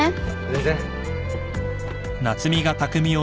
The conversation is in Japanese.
全然。